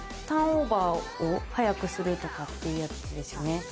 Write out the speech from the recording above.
ターンオーバーを早くするとかっていうやつですよね？